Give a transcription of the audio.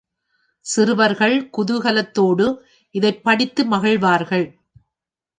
சிறுவர்கள் குதூகலத்தோடு இதைப்படித்து மகிழ்வார்கள்.